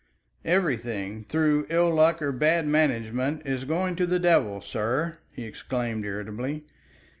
"Everything through ill luck or bad management is going to the devil, sir," he exclaimed irritably.